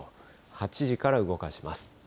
８時から動かします。